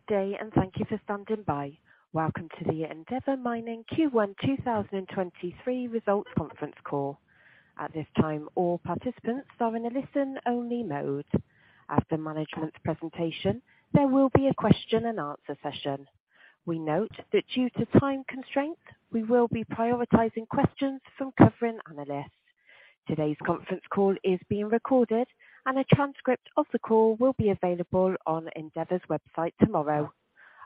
Good day, and thank you for standing by. Welcome to the Endeavour Mining Q1 2023 Results Conference Call. At this time, all participants are in a listen-only mode. After management's presentation, there will be a question and answer session. We note that due to time constraints, we will be prioritizing questions from covering analysts. Today's conference call is being recorded, and a transcript of the call will be available on Endeavour's website tomorrow.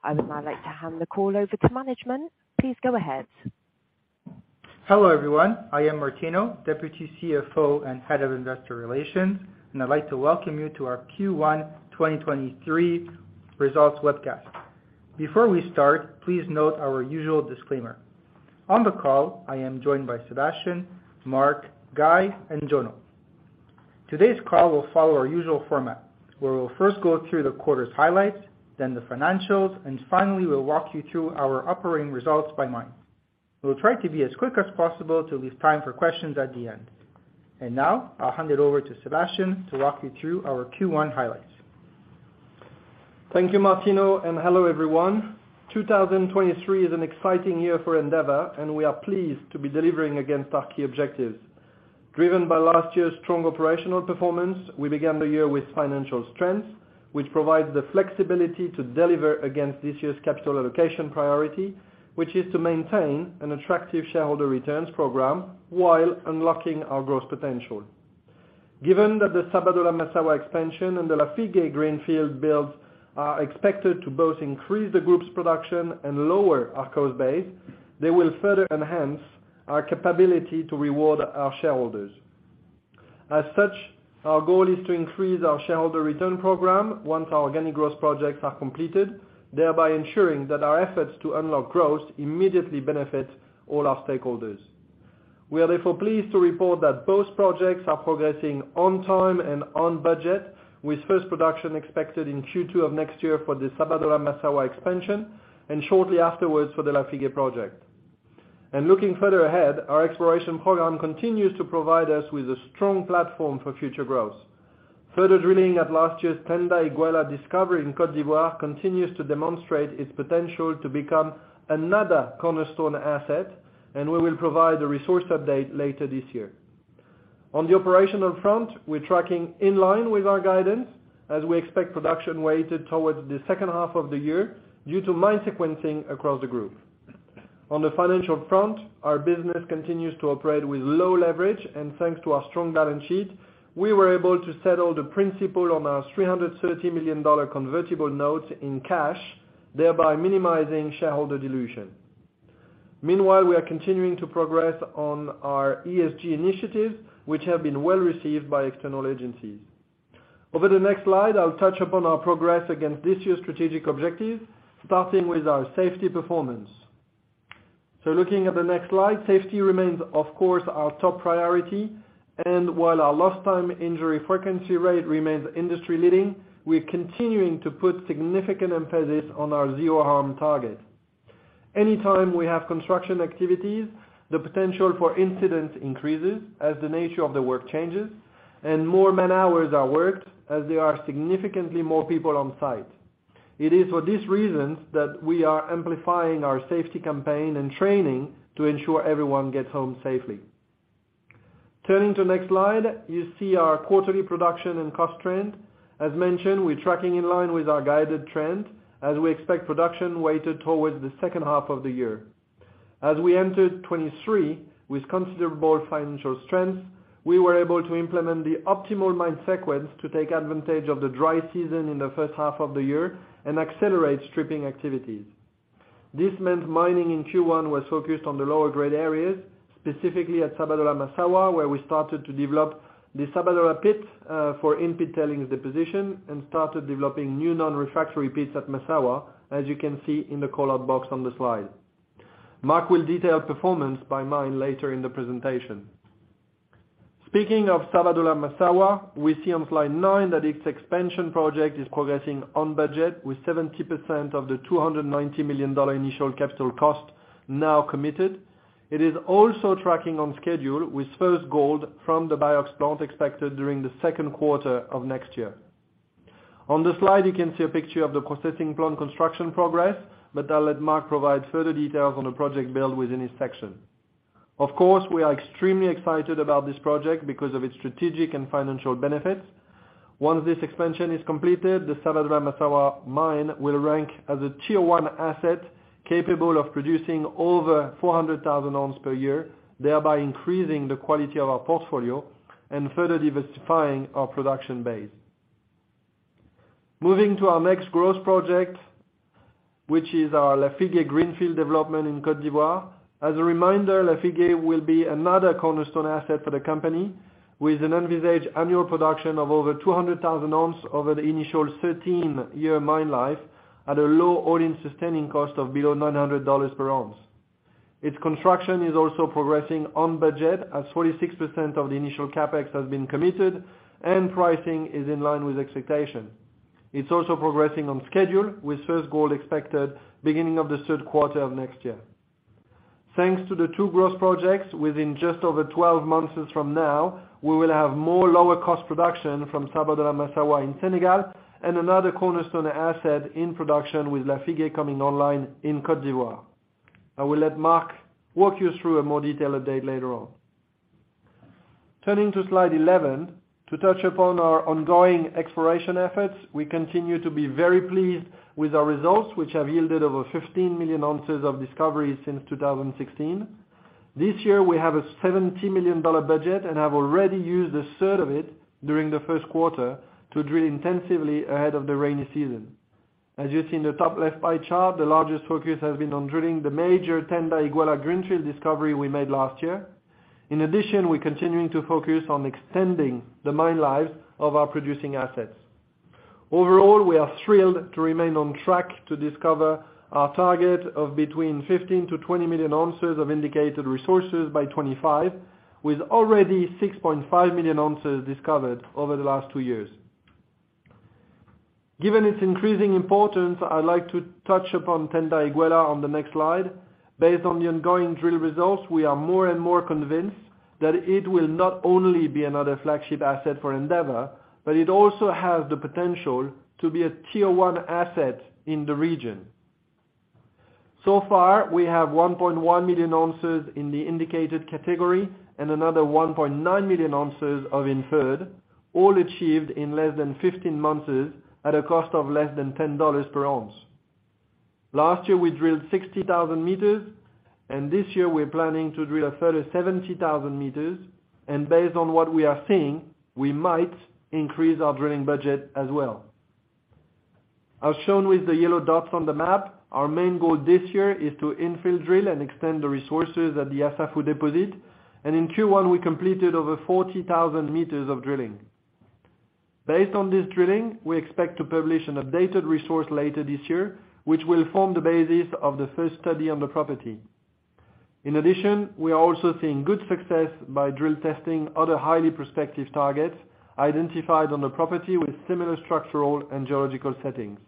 I would now like to hand the call over to management. Please go ahead. Hello, everyone. I am Martino, Deputy CFO and Head of Investor Relations, and I'd like to welcome you to our Q1 2023 Results Webcast. Before we start, please note our usual disclaimer. On the call, I am joined by Sébastien, Mark, Guy, and Jono. Today's call will follow our usual format, where we'll first go through the quarter's highlights, then the financials, and finally, we'll walk you through our operating results by mine. We'll try to be as quick as possible to leave time for questions at the end. Now, I'll hand it over to Sébastien to walk you through our Q1 highlights. Thank you, Martino. Hello, everyone. 2023 is an exciting year for Endeavour, and we are pleased to be delivering against our key objectives. Driven by last year's strong operational performance, we began the year with financial strength, which provides the flexibility to deliver against this year's capital allocation priority, which is to maintain an attractive shareholder returns program while unlocking our growth potential. Given that the Sabodala-Massawa expansion and the Lafigué greenfield builds are expected to both increase the group's production and lower our cost base, they will further enhance our capability to reward our shareholders. As such, our goal is to increase our shareholder return program once our organic growth projects are completed, thereby ensuring that our efforts to unlock growth immediately benefit all our stakeholders. We are therefore pleased to report that both projects are progressing on time and on budget, with first production expected in Q2 of next year for the Sabodala-Massawa expansion and shortly afterwards for the Lafigué project. Looking further ahead, our exploration program continues to provide us with a strong platform for future growth. Further drilling at last year's Tanda-Iguela discovery in Côte d'Ivoire continues to demonstrate its potential to become another cornerstone asset, and we will provide a resource update later this year. On the operational front, we're tracking in line with our guidance as we expect production weighted towards the second half of the year due to mine sequencing across the group. On the financial front, our business continues to operate with low leverage. Thanks to our strong balance sheet, we were able to settle the principal on our $330 million convertible notes in cash, thereby minimizing shareholder dilution. Meanwhile, we are continuing to progress on our ESG initiatives, which have been well received by external agencies. Over the next slide, I'll touch upon our progress against this year's strategic objectives, starting with our safety performance. Looking at the next slide, safety remains, of course, our top priority, and while our lost time injury frequency rate remains industry-leading, we're continuing to put significant emphasis on our zero harm target. Anytime we have construction activities, the potential for incidents increases as the nature of the work changes and more man-hours are worked as there are significantly more people on site. It is for these reasons that we are amplifying our safety campaign and training to ensure everyone gets home safely. Turning to the next slide, you see our quarterly production and cost trend. As mentioned, we're tracking in line with our guided trend as we expect production weighted towards the second half of the year. As we entered 2023 with considerable financial strength, we were able to implement the optimal mine sequence to take advantage of the dry season in the first half of the year and accelerate stripping activities. This meant mining in Q1 was focused on the lower grade areas, specifically at Sabodala-Massawa, where we started to develop the Sabodala pit for in-pit tailings deposition and started developing new non-refractory pits at Massawa, as you can see in the call-out box on the slide. Mark will detail performance by mine later in the presentation. Speaking of Sabodala-Massawa, we see on slide nine that its expansion project is progressing on budget with 70% of the $290 million initial capital cost now committed. It is also tracking on schedule with first gold from the BIOX plant expected during the second quarter of next year. On the slide, you can see a picture of the processing plant construction progress, but I'll let Mark provide further details on the project build within his section. Of course, we are extremely excited about this project because of its strategic and financial benefits. Once this expansion is completed, the Sabodala-Massawa mine will rank as a tier one asset capable of producing over 400,000 ounces per year, thereby increasing the quality of our portfolio and further diversifying our production base. Moving to our next growth project, which is our Lafigué greenfield development in Côte d'Ivoire. As a reminder, Lafigué will be another cornerstone asset for the company with an envisaged annual production of over 200,000 ounces over the initial 13-year mine life at a low all-in sustaining cost of below $900 per ounce. Its construction is also progressing on budget as 46% of the initial CapEx has been committed and pricing is in line with expectation. It's also progressing on schedule with first gold expected beginning of the third quarter of next year. Thanks to the two growth projects within just over 12 months from now, we will have more lower cost production from Sabodala-Massawa in Senegal and another cornerstone asset in production with Lafigué coming online in Côte d'Ivoire. I will let Mark walk you through a more detailed update later on. Turning to slide 11, to touch upon our ongoing exploration efforts, we continue to be very pleased with our results, which have yielded over 15 million ounces of discovery since 2016. This year we have a $70 million budget and have already used a third of it during the first quarter to drill intensively ahead of the rainy season. As you see in the top left pie chart, the largest focus has been on drilling the major Tanda-Iguela greenfield discovery we made last year. In addition, we're continuing to focus on extending the mine lives of our producing assets. Overall, we are thrilled to remain on track to discover our target of between 15 million-20 million ounces of indicated resources by 2025, with already 6.5 million ounces discovered over the last two years. Given its increasing importance, I'd like to touch upon Tanda-Iguela on the next slide. Based on the ongoing drill results, we are more and more convinced that it will not only be another flagship asset for Endeavor, but it also has the potential to be a tier 1 asset in the region. So far, we have 1.1 million ounces in the indicated category and another 1.9 million ounces of inferred, all achieved in less than 15 months at a cost of less than $10 per ounce. Last year we drilled 60,000 meters, and this year we're planning to drill a further 70,000 meters, and based on what we are seeing, we might increase our drilling budget as well. As shown with the yellow dots on the map, our main goal this year is to infill drill and extend the resources at the Assafou deposit, and in Q1 we completed over 40,000 meters of drilling. Based on this drilling, we expect to publish an updated resource later this year, which will form the basis of the first study on the property. In addition, we are also seeing good success by drill testing other highly prospective targets identified on the property with similar structural and geological settings.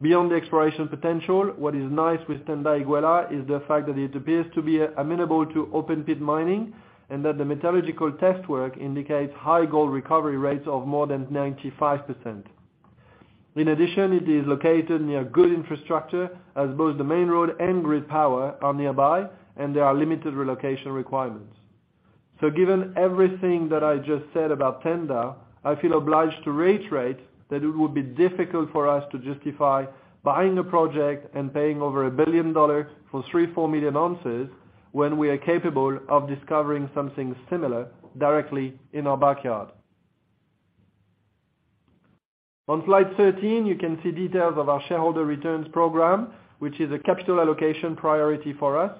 Beyond the exploration potential, what is nice with Tanda-Iguela is the fact that it appears to be amenable to open pit mining and that the metallurgical test work indicates high gold recovery rates of more than 95%. In addition, it is located near good infrastructure as both the main road and grid power are nearby, and there are limited relocation requirements. Given everything that I just said about Tanda, I feel obliged to reiterate that it would be difficult for us to justify buying a project and paying over $1 billion for 3, 4 million ounces when we are capable of discovering something similar directly in our backyard. On slide 13, you can see details of our shareholder returns program, which is a capital allocation priority for us.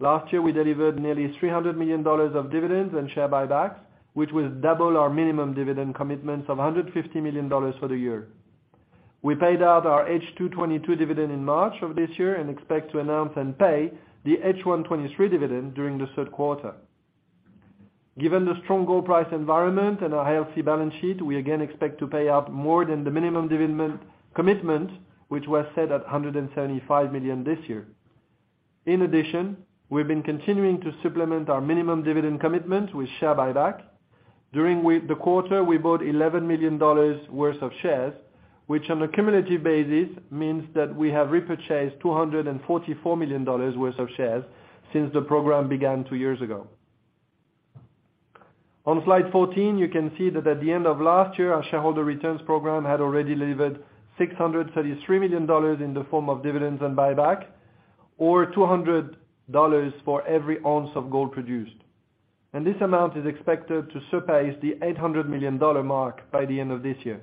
Last year, we delivered nearly $300 million of dividends and share buybacks, which was double our minimum dividend commitments of $150 million for the year. We paid out our H2 2022 dividend in March of this year and expect to announce and pay the H1 2023 dividend during the third quarter. Given the strong gold price environment and our healthy balance sheet, we again expect to pay out more than the minimum dividend commitment, which was set at $175 million this year. We've been continuing to supplement our minimum dividend commitment with share buyback. During the quarter, we bought $11 million worth of shares, which on a cumulative basis means that we have repurchased $244 million worth of shares since the program began two years ago. On slide 14, you can see that at the end of last year, our shareholder returns program had already delivered $633 million in the form of dividends and buyback, or $200 for every ounce of gold produced. This amount is expected to surpass the $800 million mark by the end of this year.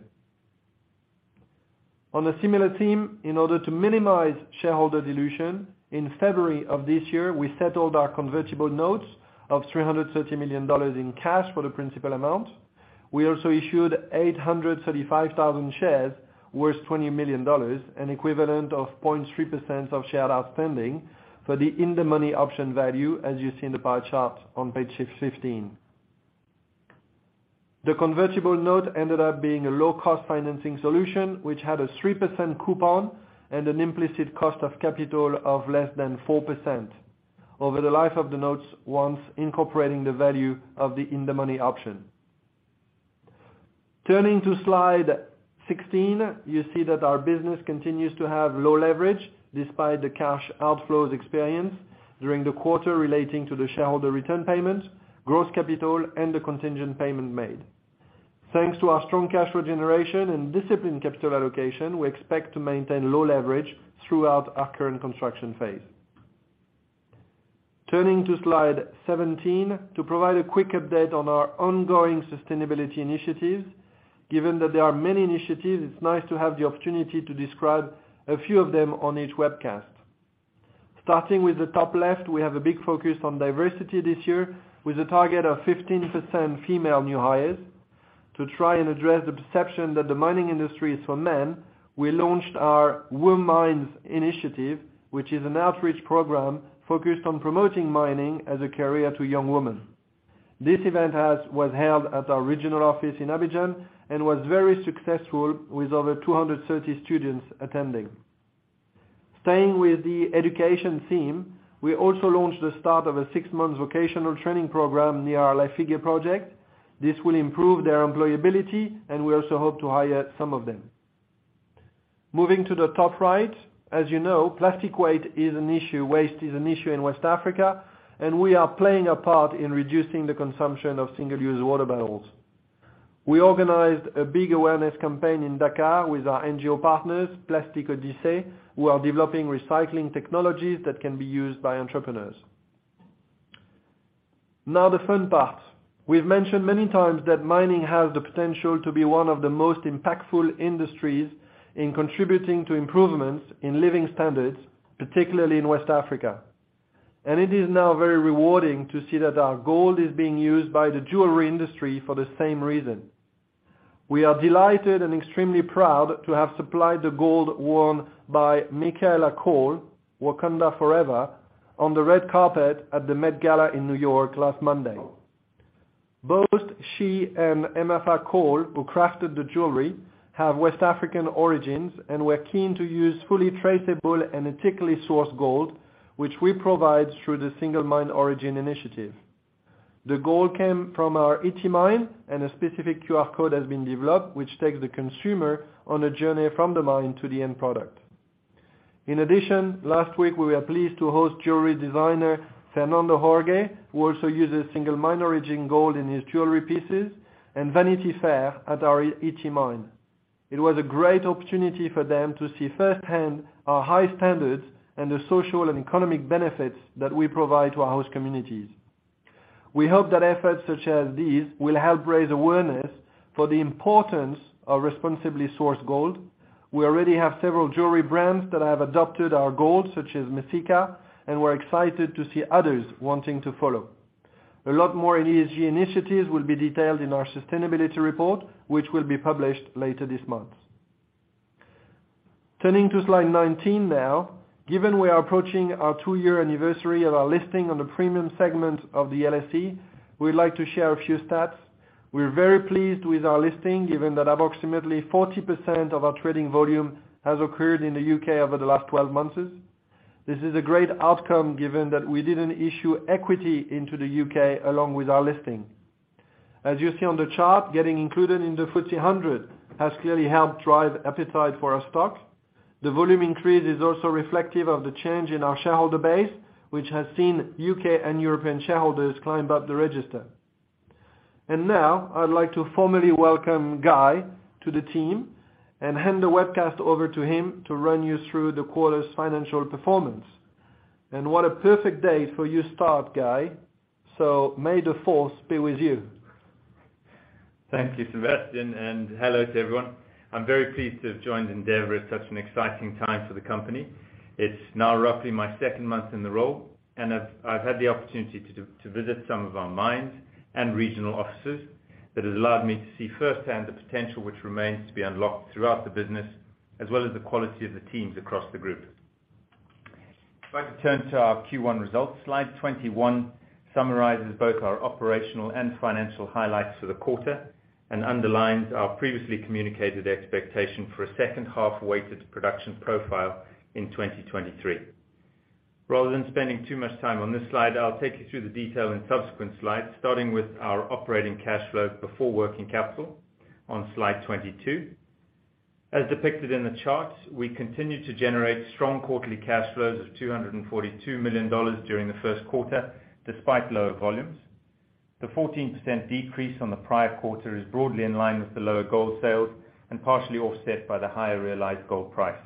On a similar theme, in order to minimize shareholder dilution, in February of this year, we settled our convertible notes of $330 million in cash for the principal amount. We also issued 835,000 shares worth $20 million, an equivalent of 0.3% of shares outstanding for the in-the-money option value as you see in the pie chart on page 15. The convertible note ended up being a low cost financing solution, which had a 3% coupon and an implicit cost of capital of less than 4% over the life of the notes once incorporating the value of the in-the-money option. Turning to slide 16, you see that our business continues to have low leverage despite the cash outflows experienced during the quarter relating to the shareholder return payments, growth capital, and the contingent payment made. Thanks to our strong cash flow generation and disciplined capital allocation, we expect to maintain low leverage throughout our current construction phase. Turning to slide 17 to provide a quick update on our ongoing sustainability initiatives. Given that there are many initiatives, it's nice to have the opportunity to describe a few of them on each webcast. Starting with the top left, we have a big focus on diversity this year with a target of 15% female new hires. To try and address the perception that the mining industry is for men, we launched our WoMines initiative, which is an outreach program focused on promoting mining as a career to young women. This event was held at our regional office in Abidjan and was very successful with over 230 students attending. Staying with the education theme, we also launched the start of a six-month vocational training program near our Lafigué project. This will improve their employability, and we also hope to hire some of them. Moving to the top right, as you know, plastic waste is an issue in West Africa, and we are playing a part in reducing the consumption of single-use water bottles. We organized a big awareness campaign in Dakar with our NGO partners, Plastic Odyssey, who are developing recycling technologies that can be used by entrepreneurs. Now the fun part. We've mentioned many times that mining has the potential to be one of the most impactful industries in contributing to improvements in living standards, particularly in West Africa. It is now very rewarding to see that our gold is being used by the jewelry industry for the same reason. We are delighted and extremely proud to have supplied the gold worn by Michaela Coel, Wakanda Forever, on the red carpet at the Met Gala in New York last Monday. Both she and Emefa Cole, who crafted the jewelry, have West African origins and were keen to use fully traceable and ethically sourced gold, which we provide through the Single Mine Origin initiative. The gold came from our Ity mine, and a specific QR code has been developed, which takes the consumer on a journey from the mine to the end product. In addition, last week we were pleased to host jewelry designer Fernando Jorge, who also uses Single Mine Origin gold in his jewelry pieces, and Vanity Fair at our Ity mine. It was a great opportunity for them to see firsthand our high standards and the social and economic benefits that we provide to our host communities. We hope that efforts such as these will help raise awareness for the importance of responsibly sourced gold. We already have several jewelry brands that have adopted our gold, such as Messika, and we're excited to see others wanting to follow. A lot more ESG initiatives will be detailed in our sustainability report, which will be published later this month. Turning to slide 19 now. Given we are approaching our two-year anniversary of our listing on the premium segment of the LSE, we'd like to share a few stats. We're very pleased with our listing, given that approximately 40% of our trading volume has occurred in the U.K. over the last 12 months. This is a great outcome, given that we didn't issue equity into the U.K. along with our listing. As you see on the chart, getting included in the FTSE 100 has clearly helped drive appetite for our stock. The volume increase is also reflective of the change in our shareholder base, which has seen UK and European shareholders climb up the register. Now I'd like to formally welcome Guy to the team and hand the webcast over to him to run you through the quarter's financial performance. What a perfect day for you to start, Guy. May the force be with you. Thank you, Sébastien. Hello to everyone. I'm very pleased to have joined Endeavour at such an exciting time for the company. It's now roughly my second month in the role. I've had the opportunity to visit some of our mines and regional offices that has allowed me to see firsthand the potential which remains to be unlocked throughout the business, as well as the quality of the teams across the group. If I could turn to our Q1 results, slide 21 summarizes both our operational and financial highlights for the quarter and underlines our previously communicated expectation for a second half-weighted production profile in 2023. Rather than spending too much time on this slide, I'll take you through the detail in subsequent slides, starting with our operating cash flows before working capital on slide 22. As depicted in the chart, we continued to generate strong quarterly cash flows of $242 million during the first quarter, despite lower volumes. The 14% decrease from the prior quarter is broadly in line with the lower gold sales and partially offset by the higher realized gold price.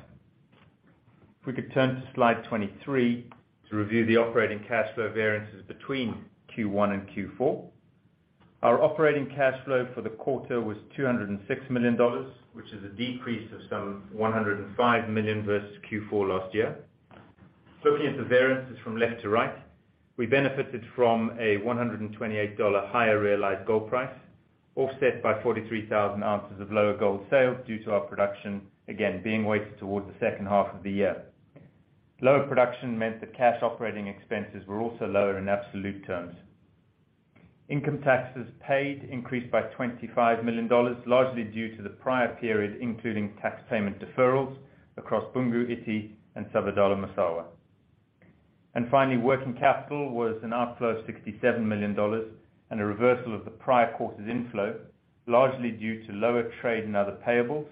If we could turn to slide 23 to review the operating cash flow variances between Q1 and Q4. Our operating cash flow for the quarter was $206 million, which is a decrease of some $105 million versus Q4 last year. Looking at the variances from left to right, we benefited from a $128 higher realized gold price, offset by 43,000 ounces of lower gold sales due to our production, again, being weighted towards the second half of the year. Lower production meant that cash operating expenses were also lower in absolute terms. Income taxes paid increased by $25 million, largely due to the prior period including tax payment deferrals across Boungou, Ity, and Sabodala-Massawa. Finally, working capital was an outflow of $67 million and a reversal of the prior quarter's inflow, largely due to lower trade and other payables,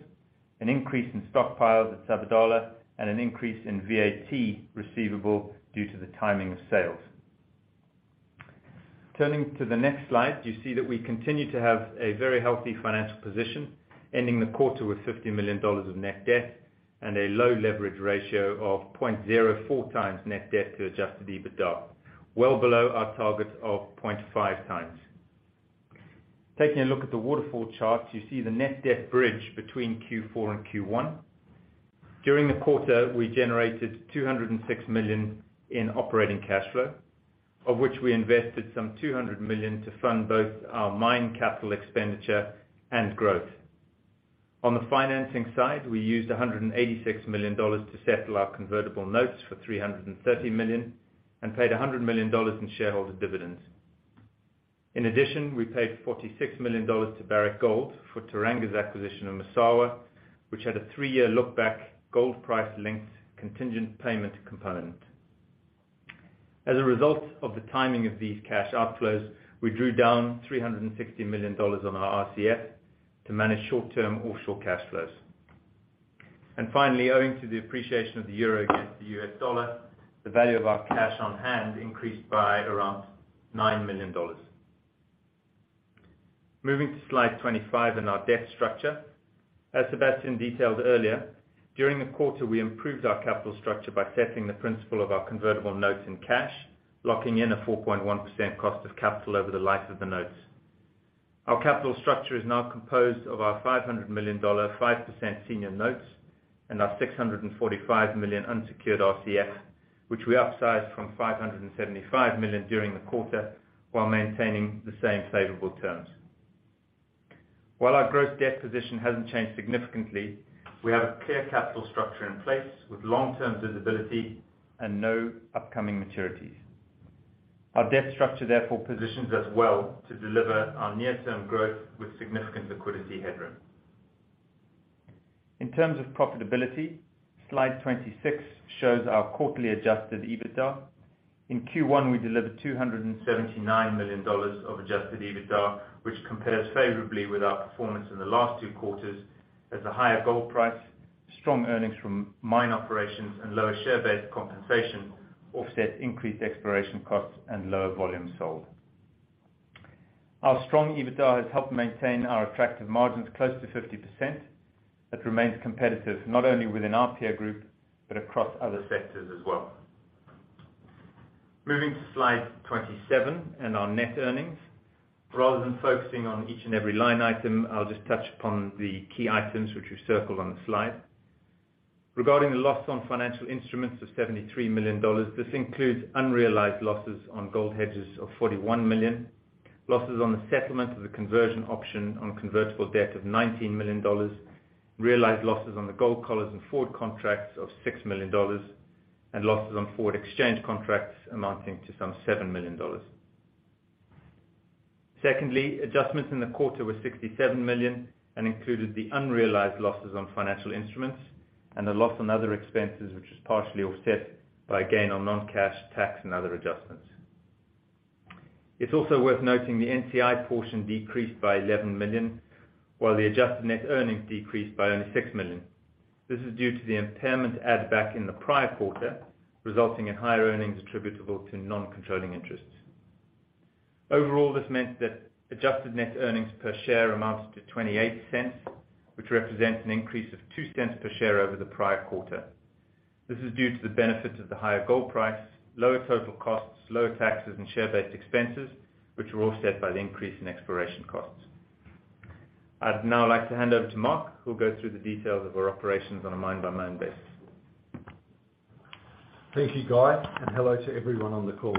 an increase in stockpiles at Sabodala, and an increase in VAT receivable due to the timing of sales. Turning to the next slide, you see that we continue to have a very healthy financial position, ending the quarter with $50 million of net debt and a low leverage ratio of 0.04x net debt to adjusted EBITDA, well below our target of 0.5 times. Taking a look at the waterfall chart, you see the net debt bridge between Q4 and Q1. During the quarter, we generated $206 million in operating cash flow, of which we invested some $200 million to fund both our mine capital expenditure and growth. On the financing side, we used $186 million to settle our convertible notes for $330 million and paid $100 million in shareholder dividends. In addition, we paid $46 million to Barrick Gold for Teranga's acquisition of Massawa, which had a three-year look-back gold price linked contingent payment component. As a result of the timing of these cash outflows, we drew down $360 million on our RCF to manage short-term offshore cash flows. Finally, owing to the appreciation of the euro against the US dollar, the value of our cash on hand increased by around $9 million. Moving to slide 25 in our debt structure. As Sébastien detailed earlier, during the quarter, we improved our capital structure by setting the principle of our convertible notes in cash, locking in a 4.1% cost of capital over the life of the notes. Our capital structure is now composed of our $500 million, 5% senior notes and our $645 million unsecured RCF, which we upsized from $575 million during the quarter while maintaining the same favorable terms. While our gross debt position hasn't changed significantly, we have a clear capital structure in place with long-term visibility and no upcoming maturities. Our debt structure therefore positions us well to deliver our near-term growth with significant liquidity headroom. In terms of profitability, slide 26 shows our quarterly adjusted EBITDA. In Q1, we delivered $279 million of adjusted EBITDA, which compares favorably with our performance in the last two quarters as a higher gold price, strong earnings from mine operations, and lower share-based compensation offset increased exploration costs and lower volumes sold. Our strong EBITDA has helped maintain our attractive margins close to 50%. Remains competitive not only within our peer group, but across other sectors as well. Moving to slide 27 and our net earnings. Rather than focusing on each and every line item, I'll just touch upon the key items which we've circled on the slide. Regarding the loss on financial instruments of $73 million, this includes unrealized losses on gold hedges of $41 million. Losses on the settlement of the conversion option on convertible debt of $19 million. Realized losses on the gold collars and forward contracts of $6 million, and losses on forward exchange contracts amounting to some $7 million. Adjustments in the quarter were $67 million and included the unrealized losses on financial instruments and the loss on other expenses, which was partially offset by gain on non-cash, tax, and other adjustments. It's also worth noting the NCI portion decreased by $11 million, while the adjusted net earnings decreased by only $6 million. This is due to the impairment add back in the prior quarter, resulting in higher earnings attributable to non-controlling interests. Overall, this meant that adjusted net earnings per share amounted to $0.28, which represents an increase of $0.02 per share over the prior quarter. This is due to the benefits of the higher gold price, lower total costs, lower taxes and share-based expenses, which were offset by the increase in exploration costs. I'd now like to hand over to Mark, who'll go through the details of our operations on a mine-by-mine basis. Thank you, Guy, and hello to everyone on the call.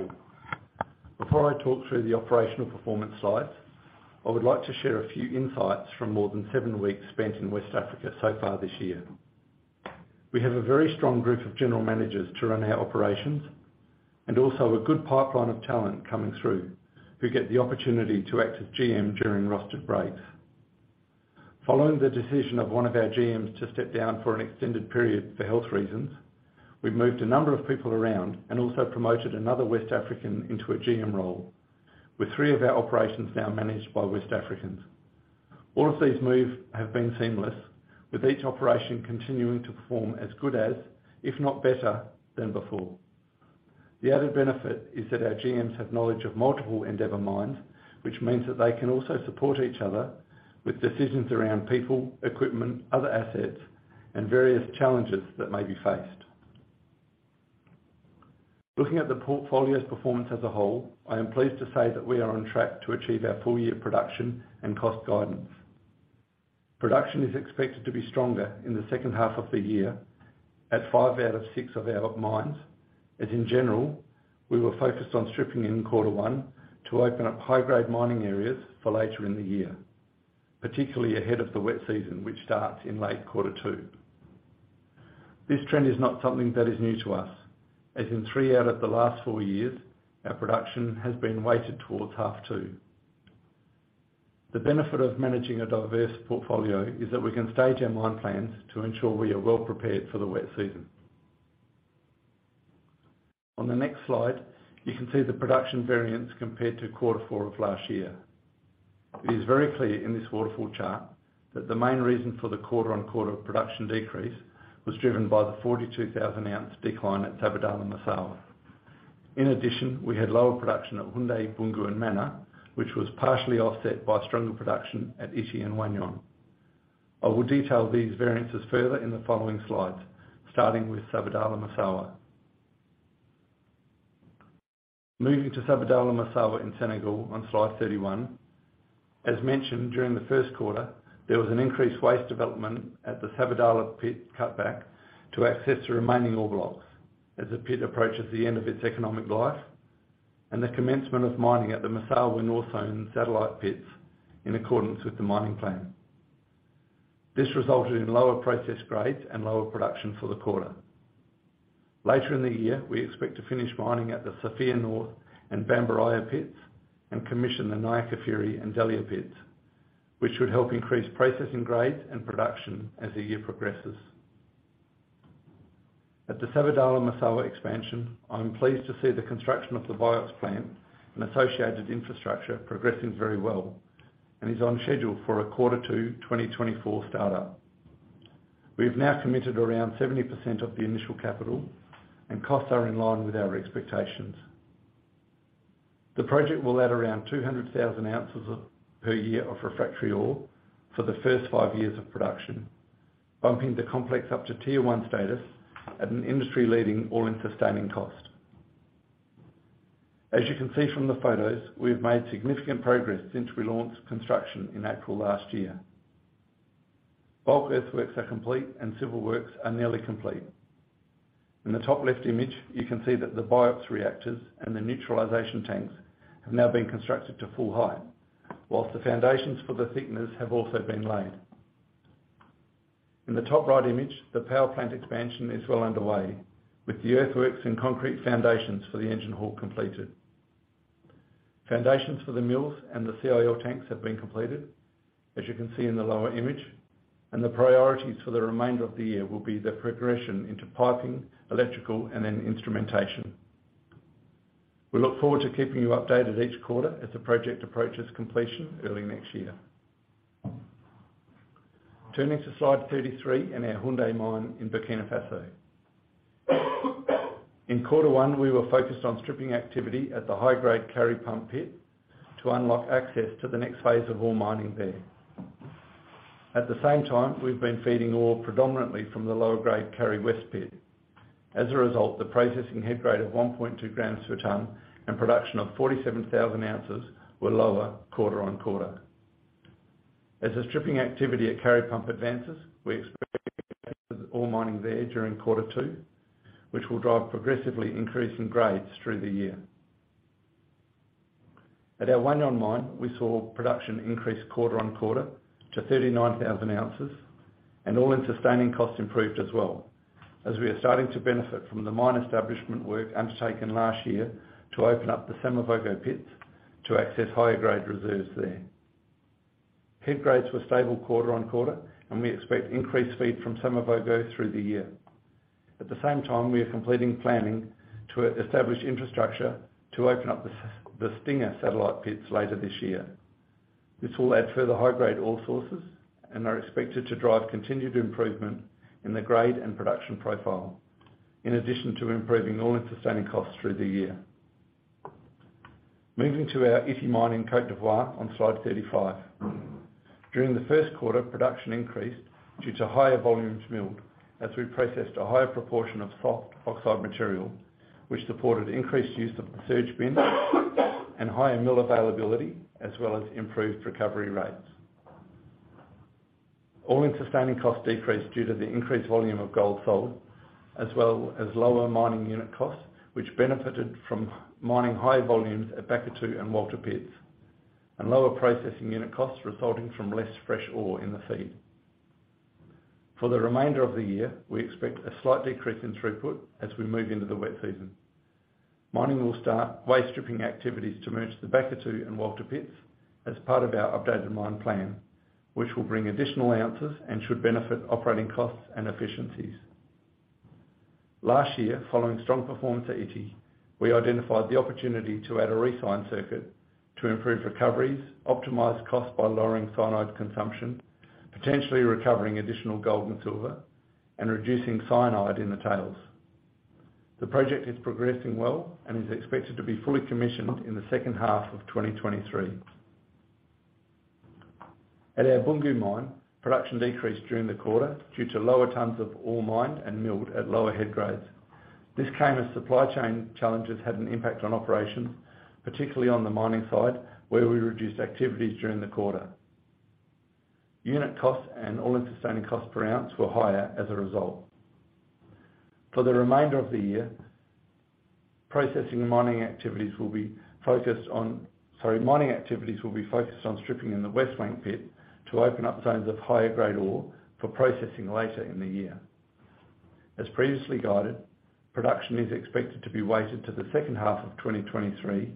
Before I talk through the operational performance slides, I would like to share a few insights from more than seven weeks spent in West Africa so far this year. We have a very strong group of general managers to run our operations and also a good pipeline of talent coming through who get the opportunity to act as GM during rostered breaks. Following the decision of one of our GMs to step down for an extended period for health reasons, we've moved a number of people around and also promoted another West African into a GM role. With three of our operations now managed by West Africans. All of these moves have been seamless, with each operation continuing to perform as good as, if not better than before. The added benefit is that our GMs have knowledge of multiple Endeavour mines, which means that they can also support each other with decisions around people, equipment, other assets, and various challenges that may be faced. Looking at the portfolio's performance as a whole, I am pleased to say that we are on track to achieve our full year production and cost guidance. Production is expected to be stronger in the second half of the year at five out of six of our mines, as in general, we were focused on stripping in quarter 1 to open up high-grade mining areas for later in the year. Particularly ahead of the wet season, which starts in late quarter two. This trend is not something that is new to us, as in three out of the last four years, our production has been weighted towards half two. The benefit of managing a diverse portfolio is that we can stage our mine plans to ensure we are well prepared for the wet season. On the next slide, you can see the production variance compared to quarter four of last year. It is very clear in this waterfall chart that the main reason for the quarter-on-quarter production decrease was driven by the 42,000 ounce decline at Sabodala-Massawa. In addition, we had lower production at Houndé, Boungou, and Mana, which was partially offset by stronger production at Ity and Wahgnion. I will detail these variances further in the following slides, starting with Sabodala-Massawa. Moving to Sabodala-Massawa in Senegal on slide 31. As mentioned, during the first quarter, there was an increased waste development at the Sabodala pit cutback to access the remaining ore blocks as the pit approaches the end of its economic life. The commencement of mining at the Massawa North Zone satellite pits in accordance with the mining plan. This resulted in lower process grades and lower production for the quarter. Later in the year, we expect to finish mining at the Sofia North and Bambaraya pits and commission the Niakafiri and Delya pits, which would help increase processing grades and production as the year progresses. At the Sabodala-Massawa expansion, I'm pleased to see the construction of the BIOX plant and associated infrastructure progressing very well, is on schedule for a quarter 2, 2024 start-up. We have now committed around 70% of the initial capital and costs are in line with our expectations. The project will add around 200,000 ounces per year of refractory ore for the first five years of production, bumping the complex up to tier one status at an industry-leading all-in sustaining cost. As you can see from the photos, we have made significant progress since we launched construction in April last year. Bulk earthworks are complete and civil works are nearly complete. In the top left image, you can see that the BIOPs reactors and the neutralization tanks have now been constructed to full height, whilst the foundations for the thickeners have also been laid. In the top right image, the power plant expansion is well underway, with the earthworks and concrete foundations for the engine hall completed. Foundations for the mills and the CIL tanks have been completed, as you can see in the lower image, and the priorities for the remainder of the year will be the progression into piping, electrical, and then instrumentation. We look forward to keeping you updated each quarter as the project approaches completion early next year. Turning to slide 33 in our Houndé mine in Burkina Faso. In quarter one, we were focused on stripping activity at the high-grade Kari Pump pit to unlock access to the next phase of ore mining there. At the same time, we've been feeding ore predominantly from the lower grade Kari West pit. As a result, the processing head grade of 1.2 grams per ton and production of 47,000 ounces were lower quarter-on-quarter. As the stripping activity at Kari Pump advances, we expect ore mining there during quarter two, which will drive progressively increasing grades through the year. At our Wahgnion mine, we saw production increase quarter on quarter to 39,000 ounces, and all-in sustaining costs improved as well as we are starting to benefit from the mine establishment work undertaken last year to open up the Samavogo pits to access higher grade reserves there. Head grades were stable quarter on quarter, we expect increased feed from Samavogo through the year. At the same time, we are completing planning to establish infrastructure to open up the Stinger satellite pits later this year. This will add further high grade ore sources and are expected to drive continued improvement in the grade and production profile, in addition to improving all-in sustaining costs through the year. Moving to our Ity mine in Côte d'Ivoire on slide 35. During the first quarter, production increased due to higher volumes milled as we processed a higher proportion of soft oxide material, which supported increased use of the surge bin and higher mill availability, as well as improved recovery rates. All-in sustaining costs decreased due to the increased volume of gold sold, as well as lower mining unit costs, which benefited from mining high volumes at Kari and Vindaloo pits, and lower processing unit costs resulting from less fresh ore in the feed. For the remainder of the year, we expect a slight decrease in throughput as we move into the wet season. Mining will start waste stripping activities to merge the Kari and Vindaloo pits as part of our updated mine plan, which will bring additional ounces and should benefit operating costs and efficiencies. Last year, following strong performance at Ity, we identified the opportunity to add a re-cyan circuit to improve recoveries, optimize costs by lowering cyanide consumption, potentially recovering additional gold and silver, and reducing cyanide in the tails. The project is progressing well and is expected to be fully commissioned in the second half of 2023. At our Boungou mine, production decreased during the quarter due to lower tons of ore mined and milled at lower head grades. This came as supply chain challenges had an impact on operations, particularly on the mining side, where we reduced activities during the quarter. Unit costs and all-in sustaining cost per ounce were higher as a result. For the remainder of the year, processing and mining activities will be focused on... Sorry, mining activities will be focused on stripping in the West Flank pit to open up zones of higher-grade ore for processing later in the year. As previously guided, production is expected to be weighted to the second half of 2023,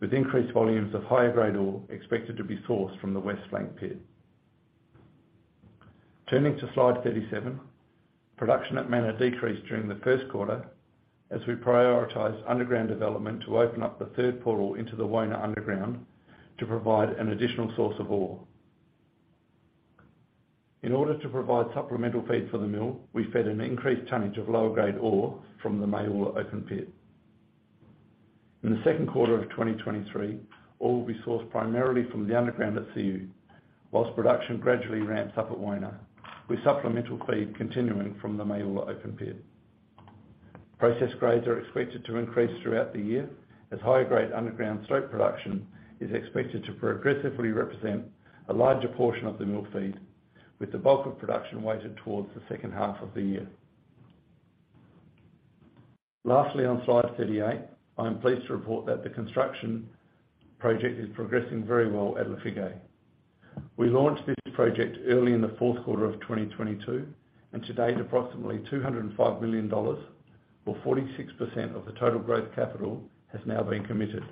with increased volumes of higher-grade ore expected to be sourced from the West Flank pit. Turning to slide 37, production at Mana decreased during the first quarter as we prioritized underground development to open up the third portal into the Wona underground to provide an additional source of ore. In order to provide supplemental feed for the mill, we fed an increased tonnage of lower-grade ore from the Maoula open pit. In the second quarter of 2023, ore will be sourced primarily from the underground at Siou, whilst production gradually ramps up at Wona, with supplemental feed continuing from the Maoula open pit. Process grades are expected to increase throughout the year as higher-grade underground stope production is expected to progressively represent a larger portion of the mill feed, with the bulk of production weighted towards the second half of the year. On slide 38, I am pleased to report that the construction project is progressing very well at Lafigué. We launched this project early in the fourth quarter of 2022, and to date approximately $205 million or 46% of the total growth capital has now been committed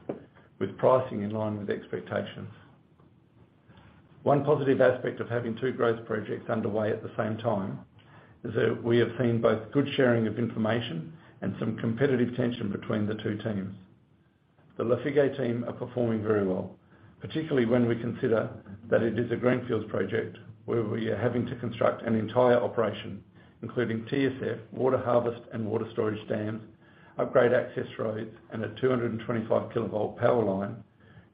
with pricing in line with expectations. One positive aspect of having two growth projects underway at the same time is that we have seen both good sharing of information and some competitive tension between the two teams. The Lafigué team are performing very well, particularly when we consider that it is a greenfield project where we are having to construct an entire operation, including TSF, water harvest and water storage dams, upgrade access roads and a 225 kilovolt power line,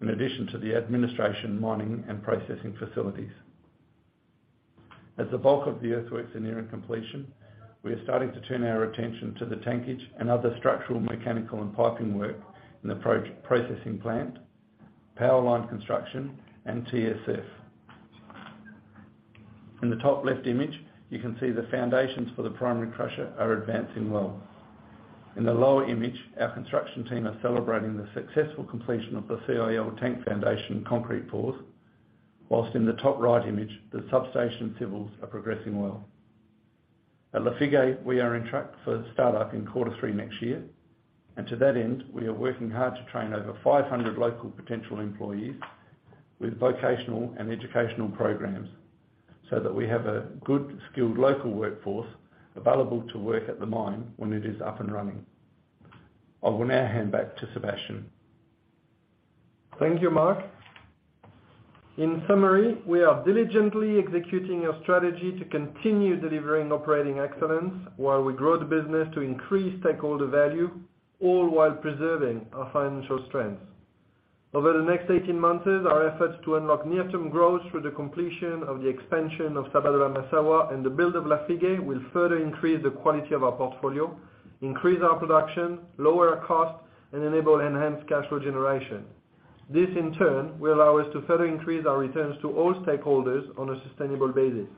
in addition to the administration, mining and processing facilities. As the bulk of the earthworks are nearing completion, we are starting to turn our attention to the tankage and other structural, mechanical and piping work in the processing plant, power line construction and TSF. In the top left image, you can see the foundations for the primary crusher are advancing well. In the lower image, our construction team are celebrating the successful completion of the CIL tank foundation concrete pours, while in the top right image the substation civils are progressing well. At Lafigué, we are on track for startup in quarter three next year, and to that end we are working hard to train over 500 local potential employees with vocational and educational programs so that we have a good skilled local workforce available to work at the mine when it is up and running. I will now hand back to Sébastien. Thank you, Mark. In summary, we are diligently executing our strategy to continue delivering operating excellence while we grow the business to increase stakeholder value, all while preserving our financial strength. Over the next 18 months, our efforts to unlock near-term growth through the completion of the expansion of Sabodala-Massawa and the build of Lafigué will further increase the quality of our portfolio, increase our production, lower our costs and enable enhanced cash flow generation. This in turn, will allow us to further increase our returns to all stakeholders on a sustainable basis.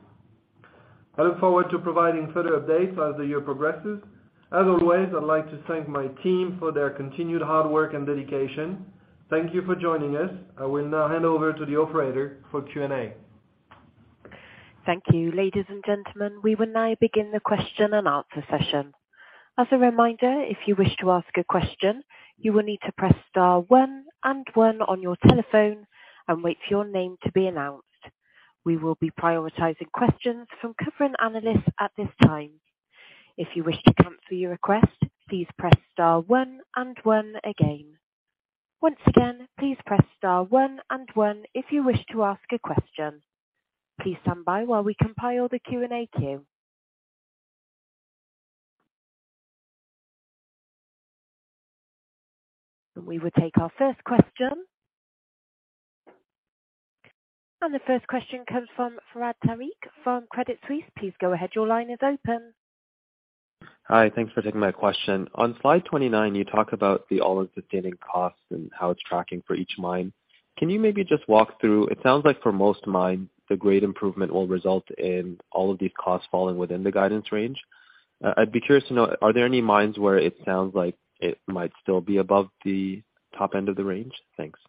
I look forward to providing further updates as the year progresses. As always, I'd like to thank my team for their continued hard work and dedication. Thank you for joining us. I will now hand over to the operator for Q&A. Thank you. Ladies and gentlemen, we will now begin the question and answer session. As a reminder, if you wish to ask a question, you will need to press star one and one on your telephone and wait for your name to be announced. We will be prioritizing questions from covering analysts at this time. If you wish to cancel your request, please press star one and one again. Once again, please press star one and one if you wish to ask a question. Please stand by while we compile the Q&A queue. We will take our first question. The first question comes from Fahad Tariq from Credit Suisse. Please go ahead. Your line is open. Hi. Thanks for taking my question. On slide 29, you talk about the all-in sustaining costs and how it's tracking for each mine. Can you maybe just walk through? It sounds like for most mines, the great improvement will result in all of these costs falling within the guidance range. I'd be curious to know, are there any mines where it sounds like it might still be above the top end of the range? Thanks.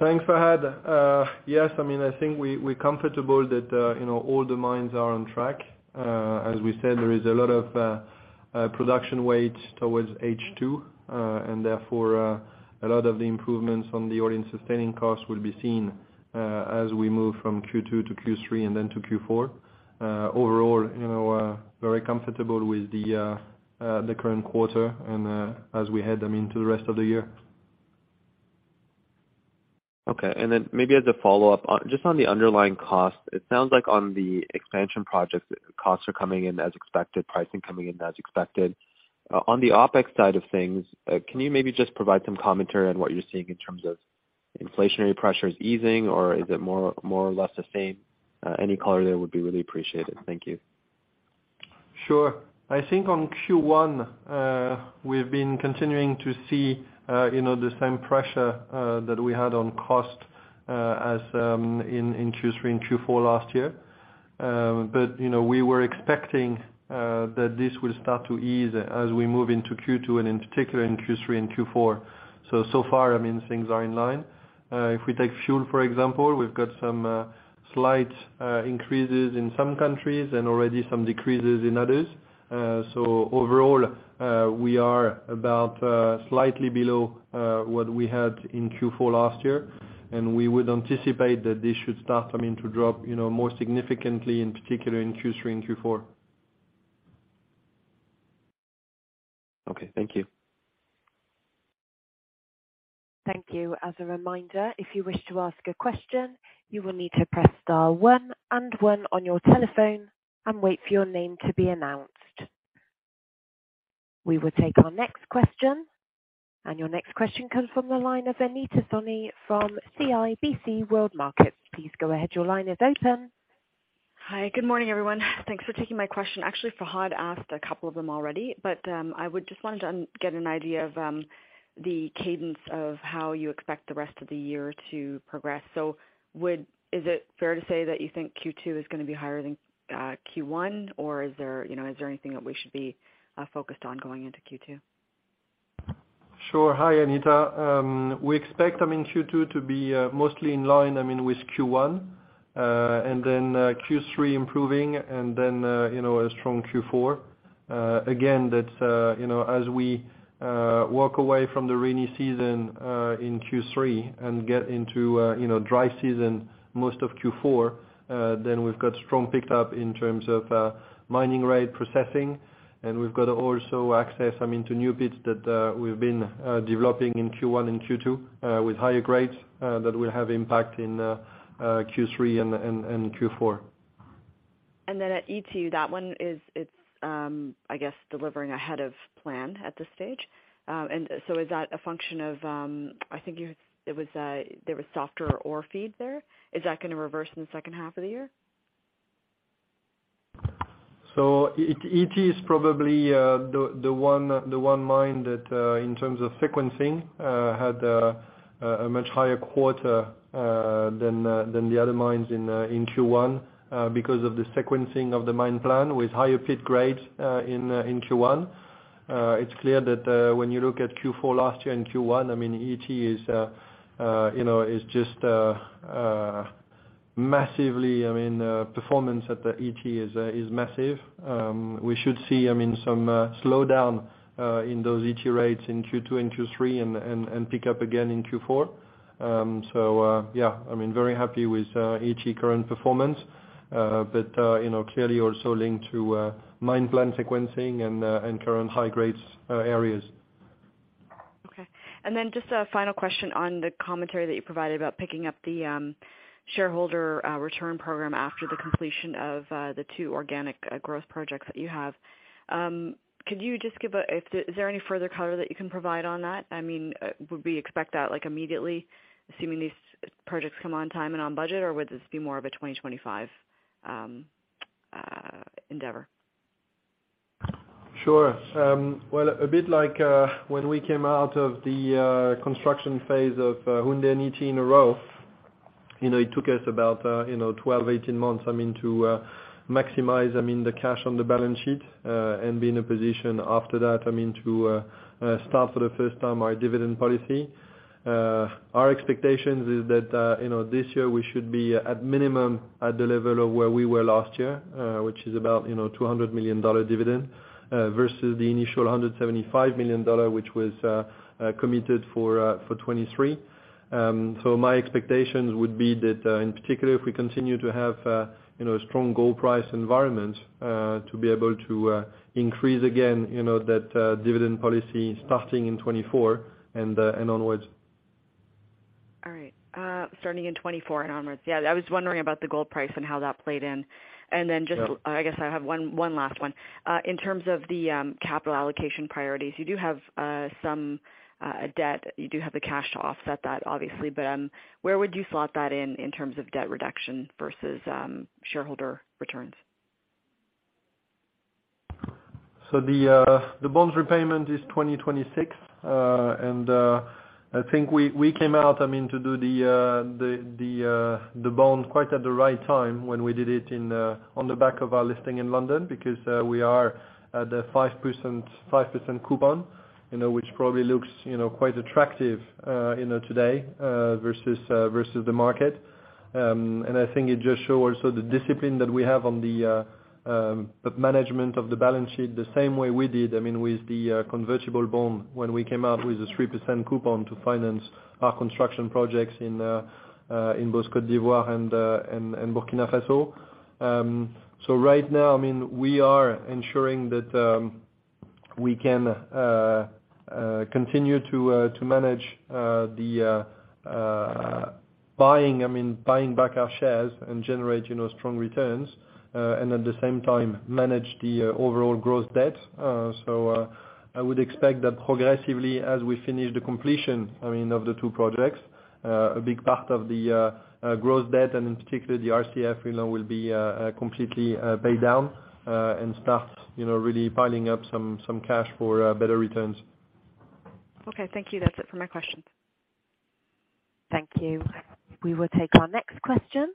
Thanks, Fahad. Yes, I mean, I think we're comfortable that, you know, all the mines are on track. As we said, there is a lot of production weight towards H2, and therefore, a lot of the improvements on the all-in sustaining cost will be seen as we move from Q2 to Q3 and then to Q4. Overall, you know, very comfortable with the current quarter and, as we head, I mean, to the rest of the year. Okay. Then maybe as a follow-up, just on the underlying cost, it sounds like on the expansion projects, costs are coming in as expected, pricing coming in as expected. On the OpEx side of things, can you maybe just provide some commentary on what you're seeing in terms of inflationary pressures easing, or is it more or less the same? Any color there would be really appreciated. Thank you. Sure. I think on Q1, we've been continuing to see, you know, the same pressure that we had on cost as in Q3 and Q4 last year. You know, we were expecting that this will start to ease as we move into Q2 and in particular in Q3 and Q4. So far, I mean, things are in line. If we take fuel, for example, we've got some slight increases in some countries and already some decreases in others. Overall, we are about slightly below what we had in Q4 last year, and we would anticipate that this should start, I mean, to drop, you know, more significantly in particular in Q3 and Q4. Okay. Thank you. Thank you. As a reminder, if you wish to ask a question, you will need to press star one and one on your telephone and wait for your name to be announced. We will take our next question. Your next question comes from the line of Anita Soni from CIBC World Markets. Please go ahead. Your line is open. Hi, good morning, everyone. Thanks for taking my question. Actually, Fahad asked a couple of them already. I would just want to get an idea of the cadence of how you expect the rest of the year to progress. Is it fair to say that you think Q2 is gonna be higher than Q1? Is there, you know, is there anything that we should be focused on going into Q2? Sure. Hi, Anita. We expect Q2 to be mostly in line with Q1. Q3 improving, a strong Q4. Again, that's as we walk away from the rainy season in Q3 and get into dry season most of Q4, then we've got strong pick-up in terms of mining rate processing, and we've got also access to new bits that we've been developing in Q1 and Q2 with higher grades that will have impact in Q3 and Q4. At Ity, that one, I guess, delivering ahead of plan at this stage. Is that a function of, I think there was softer ore feed there? Is that gonna reverse in the second half of the year? Ity is probably the one mine that in terms of sequencing had a much higher quarter than the other mines in Q1 because of the sequencing of the mine plan with higher pit grade in Q1. It's clear that when you look at Q4 last year and Q1, I mean, Ity is, you know, is just massively... I mean, performance at the Ity is massive. We should see, I mean, some slowdown in those Ity rates in Q2 and Q3 and pick up again in Q4. Yeah, I mean, very happy with Ity current performance, but, you know, clearly also linked to mine plan sequencing and current high grades areas. Okay. Just a final question on the commentary that you provided about picking up the shareholder return program after the completion of the two organic growth projects that you have. Is there any further color that you can provide on that? I mean, would we expect that, like, immediately assuming these projects come on time and on budget, or would this be more of a 2025 endeavor? Sure. Well, a bit like when we came out of the construction phase of Massawa and Ity in a row, you know, it took us about, you know, 12, 18 months, I mean, to maximize, I mean, the cash on the balance sheet, and be in a position after that, I mean, to start for the first time our dividend policy. Our expectations is that, you know, this year we should be at minimum at the level of where we were last year, which is about, you know, $200 million dividend, versus the initial $175 million, which was committed for 2023. My expectations would be that, in particular, if we continue to have, you know, a strong gold price environment, to be able to increase again, you know, that dividend policy starting in 2024 and onwards. All right, starting in 2024 and onwards. Yeah, I was wondering about the gold price and how that played in. Yeah. Just, I guess I have one last one. In terms of the capital allocation priorities, you do have some debt. You do have the cash to offset that obviously, but where would you slot that in terms of debt reduction versus shareholder returns? The bonds repayment is 2026. I think we came out, I mean, to do the bond quite at the right time when we did it on the back of our listing in London because we are at the 5% coupon, you know, which probably looks, you know, quite attractive, you know, today, versus the market. I think it just show also the discipline that we have on the management of the balance sheet the same way we did, I mean, with the convertible bond when we came out with a 3% coupon to finance our construction projects in both Côte d'Ivoire and Burkina Faso. Right now, I mean, we are ensuring that, we can continue to manage the buying back our shares and generate, you know, strong returns, and at the same time manage the overall growth debt. I would expect that progressively as we finish the completion, I mean, of the two projects, a big part of the growth debt and in particular the RCF loan will be completely paid down, and start, you know, really piling up some cash for better returns. Okay, thank you. That's it for my questions. Thank you. We will take our next question.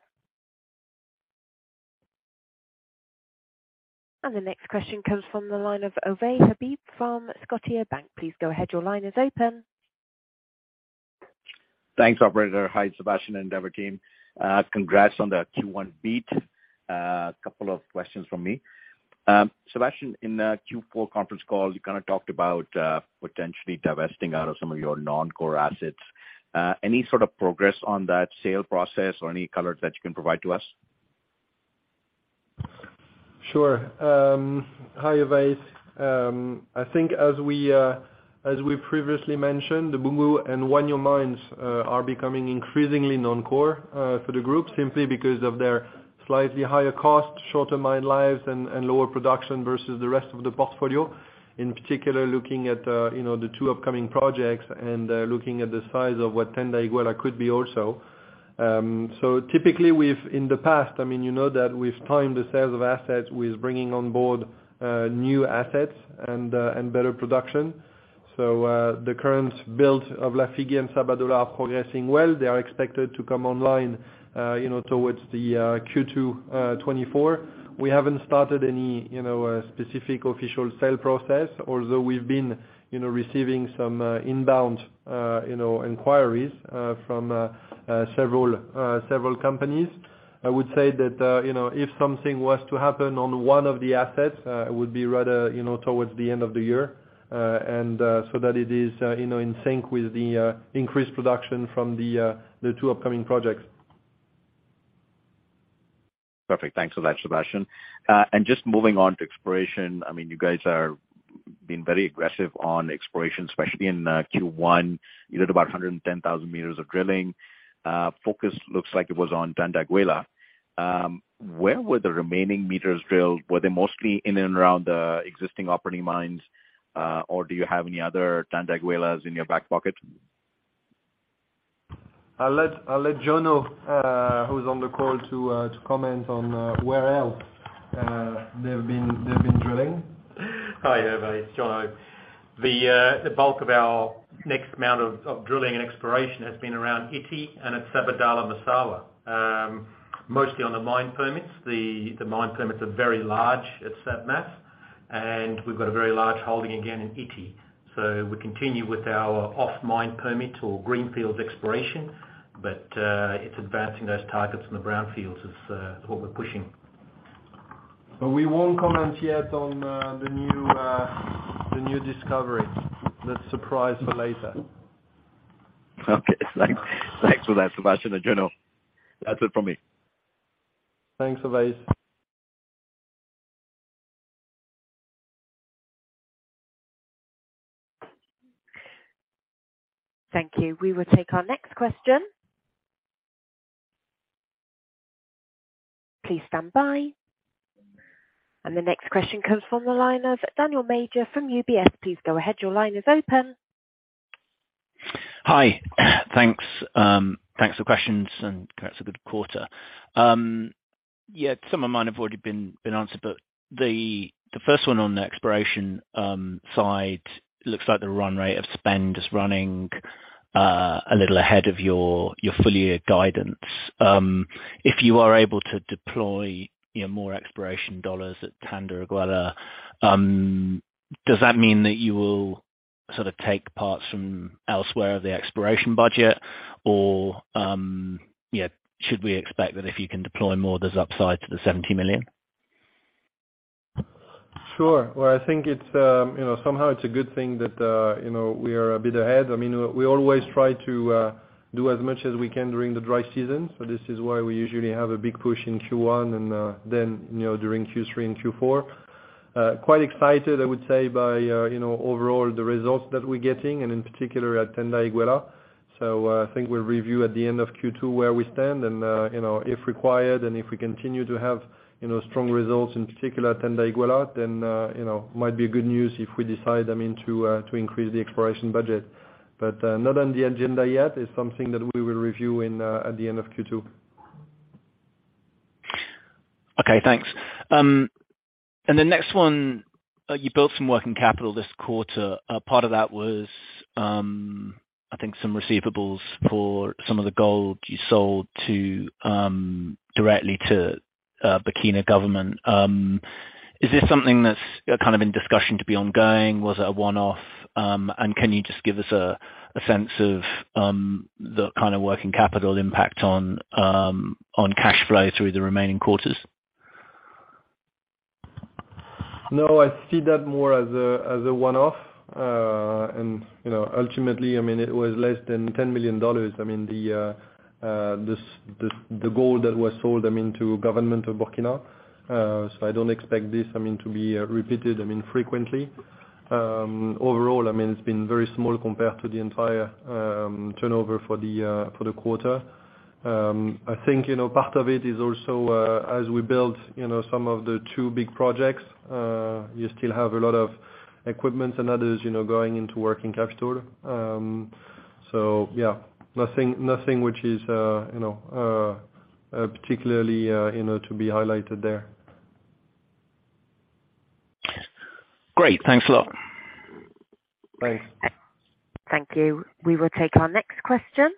The next question comes from the line of Ovais Habib from Scotiabank. Please go ahead. Your line is open. Thanks, operator. Hi, Sébastien and Endeavour team. Congrats on the Q1 beat. Couple of questions from me. Sébastien, in the Q4 conference call, you kind of talked about potentially divesting out of some of your non-core assets. Any sort of progress on that sale process or any color that you can provide to us? Sure. Hi Ovais. I think as we previously mentioned, the Boungou and Wahgnion mines are becoming increasingly non-core for the group simply because of their slightly higher cost, shorter mine lives and lower production versus the rest of the portfolio. In particular, looking at, you know, the two upcoming projects and looking at the size of what Tanda-Iguela could be also. Typically we've in the past, I mean, you know that we've timed the sales of assets with bringing on board new assets and better production. The current build of Lafigué and Sabodala are progressing well. They are expected to come online, you know, towards the Q2 2024. We haven't started any, you know, specific official sale process, although we've been, you know, receiving some inbound, you know, inquiries from several companies. I would say that, you know, if something was to happen on one of the assets, it would be rather, you know, towards the end of the year, and so that it is, you know, in sync with the increased production from the two upcoming projects. Perfect. Thanks for that, Sébastien. Just moving on to exploration. I mean, you guys are being very aggressive on exploration, especially in Q1. You did about 110,000 meters of drilling. Focus looks like it was on Tanda-Iguela. Where were the remaining meters drilled? Were they mostly in and around the existing operating mines, or do you have any other Tanda-Iguelas in your back pocket? I'll let Jono, who's on the call to comment on where else they've been drilling. Hi, Ovais. It's Jono. The bulk of our next amount of drilling and exploration has been around Ity and at Sabodala-Massawa, mostly on the mine permits. The mine permits are very large at Sab-Mas, and we've got a very large holding again in Ity. We continue with our off-mine permit or greenfields exploration. It's advancing those targets from the brownfields is what we're pushing. We won't comment yet on the new discovery. That's a surprise for later. Okay. Thanks. Thanks for that, Sébastien and Jono. That's it from me. Thanks, Ovais. Thank you. We will take our next question. Please stand by. The next question comes from the line of Daniel Major from UBS. Please go ahead. Your line is open. Hi. Thanks. Thanks for questions, congrats a good quarter. Yeah, some of mine have already been answered, but the first one on the exploration side, looks like the run rate of spend is running a little ahead of your full year guidance. If you are able to deploy, you know, more exploration dollars at Tanda-Iguela, does that mean that you will sort of take parts from elsewhere of the exploration budget or, yeah, should we expect that if you can deploy more, there's upside to the $70 million? Sure. Well, I think it's, you know, somehow it's a good thing that, you know, we are a bit ahead. I mean, we always try to do as much as we can during the dry season. This is why we usually have a big push in Q1 and then, you know, during Q3 and Q4. Quite excited, I would say, by, you know, overall the results that we're getting and in particular at Tanda-Iguela. I think we'll review at the end of Q2 where we stand and, you know, if required and if we continue to have, you know, strong results in particular at Tanda-Iguela, then, you know, might be good news if we decide, I mean, to increase the exploration budget. Not on the agenda yet, it's something that we will review in, at the end of Q2. Okay, thanks. The next one, you built some working capital this quarter. A part of that was, I think, some receivables for some of the gold you sold to, directly to, Burkina government. Is this something that's kinda in discussion to be ongoing? Was it a one-off? Can you just give us a sense of, the kinda working capital impact on cash flow through the remaining quarters? No, I see that more as a one-off. Ultimately, you know, I mean, it was less than $10 million. I mean, this, the gold that was sold, I mean, to government of Burkina. I don't expect this, I mean, to be repeated, I mean, frequently. Overall, I mean, it's been very small compared to the entire turnover for the quarter. I think, you know, part of it is also, as we build, you know, some of the two big projects, you still have a lot of equipments and others, you know, going into working capital. Yeah, nothing which is, you know, particularly, you know, to be highlighted there. Great. Thanks a lot. Thanks. Thank you. We will take our next question.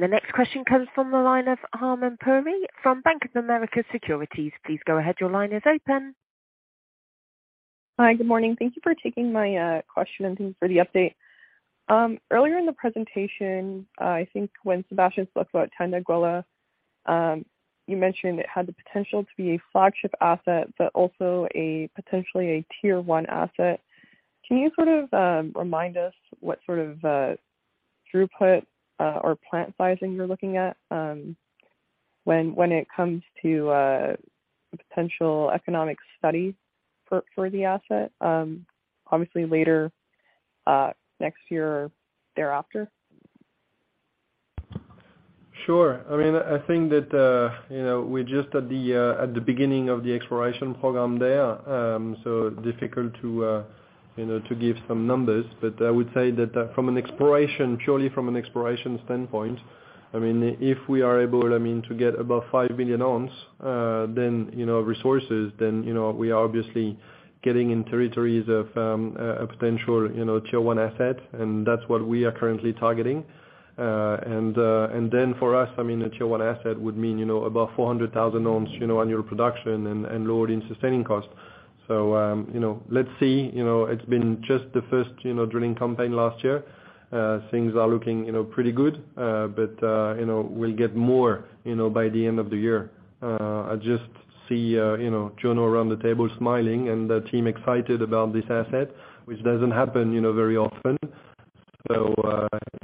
The next question comes from the line of Harman Puri from Bank of America Securities. Please go ahead. Your line is open. Hi. Good morning. Thank you for taking my question and for the update. Earlier in the presentation, I think when Sébastien spoke about Tanda-Iguela, you mentioned it had the potential to be a flagship asset, but also a potentially a tier one asset. Can you sort of remind us what sort of throughput or plant sizing you're looking at when it comes to potential economic study for the asset, obviously later next year or thereafter? Sure. I mean, I think that, you know, we're just at the beginning of the exploration program there. So difficult to, you know, to give some numbers. I would say that, from an exploration, purely from an exploration standpoint, I mean, if we are able, I mean, to get above 5 million ounce, then, you know, resources, then, you know, we are obviously getting in territories of a potential, you know, tier one asset, and that's what we are currently targeting. Then for us, I mean, a tier one asset would mean, you know, above 400,000 ounce, you know, annual production and lower in sustaining costs. You know, let's see. You know, it's been just the first, you know, drilling campaign last year. Things are looking, you know, pretty good. You know, we'll get more, you know, by the end of the year. I just see, you know, John around the table smiling and the team excited about this asset, which doesn't happen, you know, very often. You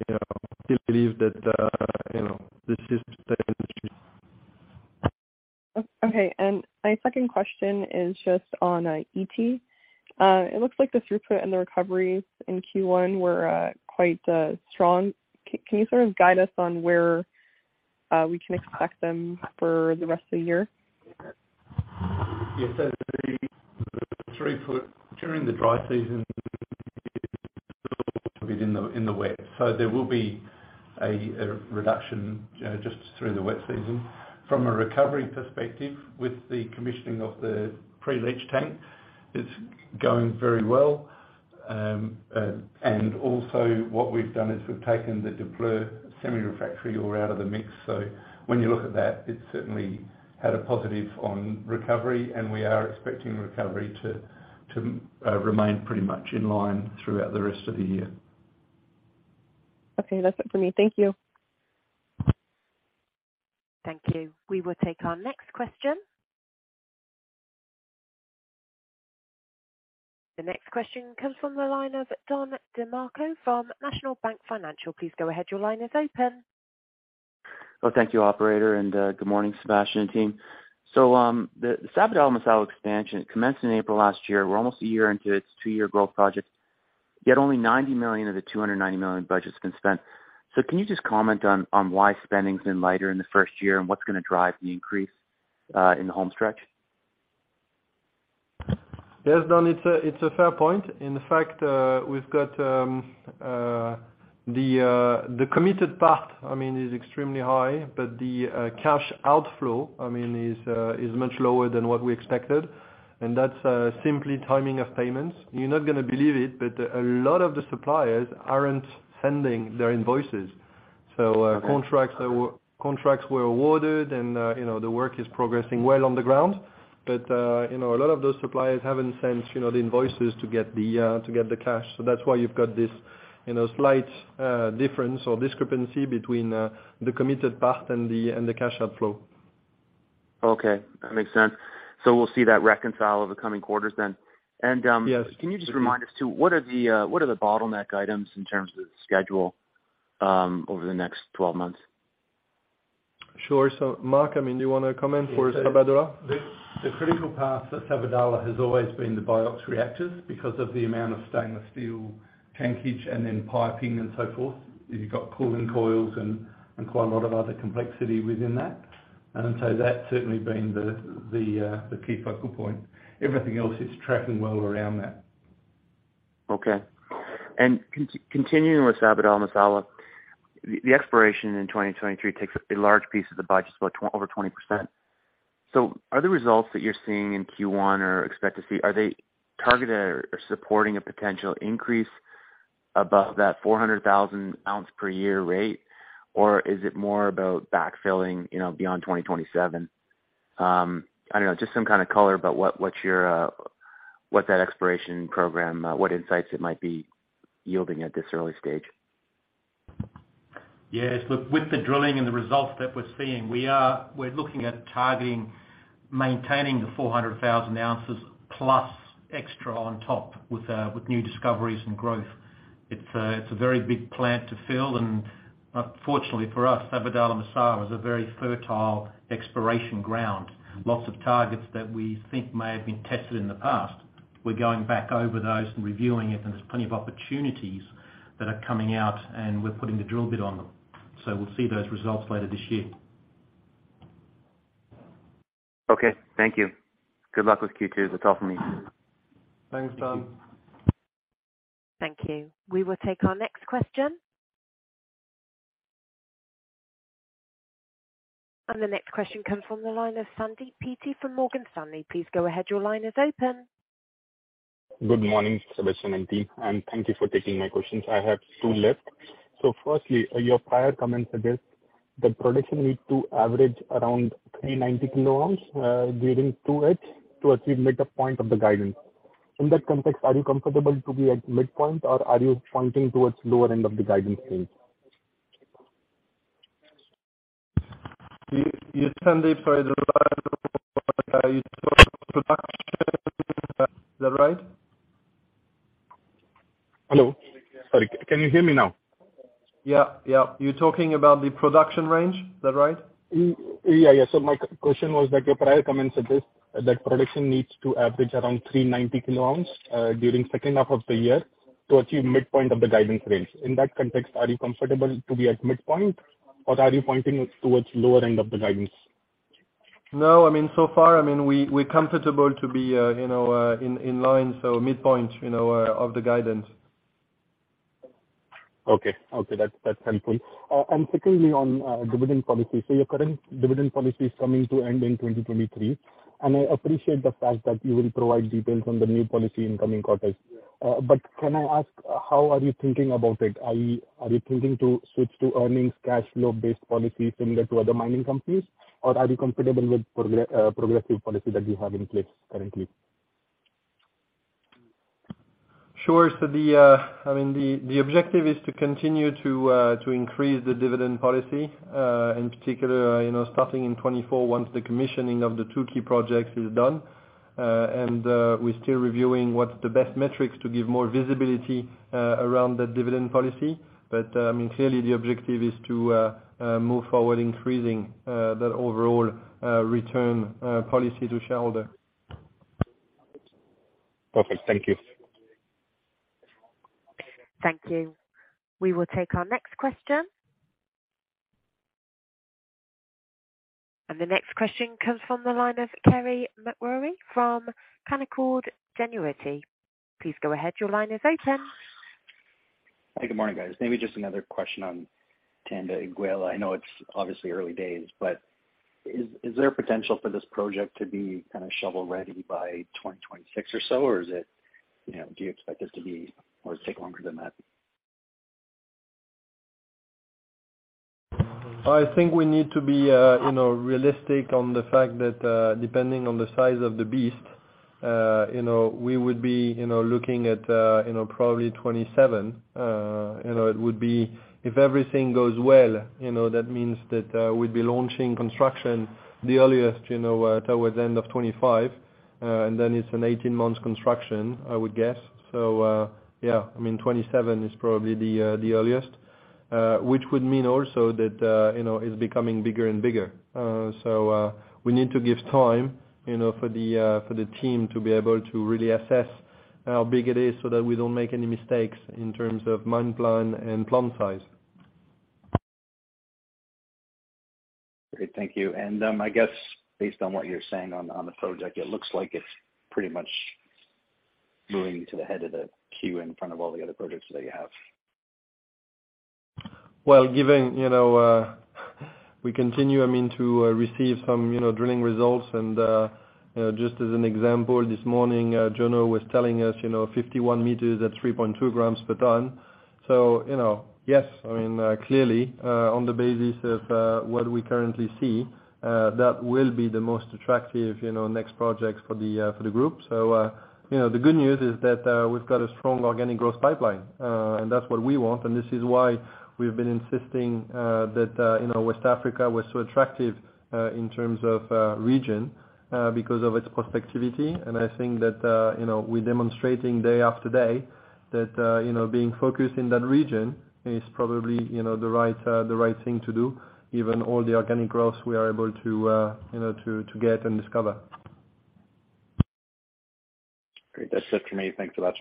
know, he believes that, you know, this is Okay. My second question is just on Ity. It looks like the throughput and the recoveries in Q1 were quite strong. Can you sort of guide us on where we can expect them for the rest of the year? Yeah. The throughput during the dry season is a little bit in the, in the wet. There will be a reduction just through the wet season. From a recovery perspective, with the commissioning of the pre-leach tank, it's going very well. Also what we've done is we've taken the Lafigué semi-refractory ore out of the mix. When you look at that, it certainly had a positive on recovery, and we are expecting recovery to remain pretty much in line throughout the rest of the year. Okay. That's it for me. Thank you. Thank you. We will take our next question. The next question comes from the line of Don Demarco from National Bank Financial. Please go ahead. Your line is open. Well, thank you, operator, and good morning, Sébastien and team. The Sabodala-Massawa expansion commenced in April last year. We're almost a year into its two-year growth project, yet only $90 million of the $290 million budget's been spent. Can you just comment on why spending's been lighter in the first year and what's gonna drive the increase in the home stretch? Yes, Don, it's a fair point. In fact, we've got the committed part, I mean, is extremely high, but the cash outflow, I mean, is much lower than what we expected, and that's simply timing of payments. You're not gonna believe it, but a lot of the suppliers aren't sending their invoices. Okay. Contracts were awarded and, you know, the work is progressing well on the ground. You know, a lot of those suppliers haven't sent, you know, the invoices to get the cash. That's why you've got this, you know, slight difference or discrepancy between the committed part and the cash outflow. Okay. That makes sense. We'll see that reconcile over the coming quarters then. Yes. Can you just remind us too, what are the bottleneck items in terms of schedule, over the next 12 months? Sure. Mark, I mean, do you wanna comment for Sabodala? The critical path for Sabodala has always been the BIOX reactors because of the amount of stainless steel tankage and then piping and so forth. You've got cooling coils and quite a lot of other complexity within that. That's certainly been the key focal point. Everything else is tracking well around that. Okay. Continuing with Sabodala-Massawa, the exploration in 2023 takes up a large piece of the budget, it's about over 20%. Are the results that you're seeing in Q1 or expect to see, are they targeted or supporting a potential increase above that 400,000 ounce per year rate, or is it more about backfilling, you know, beyond 2027? I don't know, just some kind of color about what's your, what that exploration program, what insights it might be yielding at this early stage. Yes. Look, with the drilling and the results that we're seeing, we're looking at targeting, maintaining the 400,000 ounces plus extra on top with new discoveries and growth. It's a, it's a very big plant to fill, and fortunately for us, Sabodala-Massawa is a very fertile exploration ground. Lots of targets that we think may have been tested in the past. We're going back over those and reviewing it, and there's plenty of opportunities that are coming out, and we're putting the drill bit on them. We'll see those results later this year. Okay. Thank you. Good luck with Q2. That's all from me. Thanks, Don. Thank you. We will take our next question. The next question comes from the line of Sandeep Peety from Morgan Stanley. Please go ahead. Your line is open. Good morning, Sébastien and team, and thank you for taking my questions. I have two left. Firstly, your prior comments suggest that production needs to average around 390 kilos during 2H to achieve midpoint of the guidance. In that context, are you comfortable to be at midpoint, or are you pointing towards lower end of the guidance range? You Sandeep. Hello? Sorry. Can you hear me now? Yeah. Yeah. You're talking about the production range, is that right? Yeah, yeah. My question was that your prior comments suggest that production needs to average around 390 kilos during second half of the year to achieve midpoint of the guidance range. In that context, are you comfortable to be at midpoint or are you pointing towards lower end of the guidance? I mean, so far, I mean, we're comfortable to be, you know, in line, so midpoint, you know, of the guidance. Okay. Okay, that's helpful. Secondly on dividend policy. Your current dividend policy is coming to end in 2023, and I appreciate the fact that you will provide details on the new policy in coming quarters. Can I ask, how are you thinking about it? Are you thinking to switch to earnings cash flow base policy similar to other mining companies, or are you comfortable with progressive policy that you have in place currently? Sure. The, I mean, the objective is to continue to increase the dividend policy, in particular, you know, starting in 2024, once the commissioning of the two key projects is done. We're still reviewing what's the best metrics to give more visibility around the dividend policy. I mean, clearly the objective is to move forward increasing that overall return policy to shareholder. Perfect. Thank you. Thank you. We will take our next question. The next question comes from the line of Carey MacRury from Canaccord Genuity. Please go ahead. Your line is open. Hey, good morning, guys. Maybe just another question on Tanda-Iguela. I know it's obviously early days, but is there potential for this project to be kind of shovel ready by 2026 or so? Is it, you know, do you expect this to be or take longer than that? I think we need to be, you know, realistic on the fact that, depending on the size of the beast, you know, we would be, you know, looking at, you know, probably 2027. You know, it would be if everything goes well, you know, that means that, we'd be launching construction the earliest, you know, towards the end of 2025, and then it's an 18 months construction, I would guess. Yeah, I mean, 2027 is probably the earliest, which would mean also that, you know, it's becoming bigger and bigger. We need to give time, you know, for the team to be able to really assess how big it is so that we don't make any mistakes in terms of mine plan and plant size. Great. Thank you. I guess based on what you're saying on the project, it looks like it's pretty much moving to the head of the queue in front of all the other projects that you have. Well, given, you know, we continue, I mean, to receive some, you know, drilling results and, you know, just as an example this morning, Jono was telling us, you know, 51 meters at 3.2 grams per ton. You know, yes, I mean, clearly, on the basis of what we currently see, that will be the most attractive, you know, next projects for the group. You know, the good news is that we've got a strong organic growth pipeline, and that's what we want, and this is why we've been insisting that, you know, West Africa was so attractive in terms of region because of its prospectivity. I think that, you know, we're demonstrating day after day that, you know, being focused in that region is probably, you know, the right, the right thing to do. Given all the organic growth we are able to, you know, to get and discover. Great. That's it for me. Thanks a lot.